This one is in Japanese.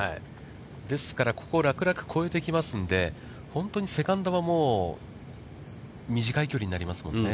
ですから、ここを楽々越えてきますので、本当にセカンドはもう短い距離になりますもんね。